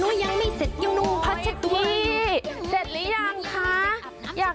ไม่เสร็จนู่นยังไม่เสร็จยัง